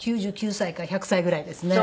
９９歳か１００歳ぐらいですね。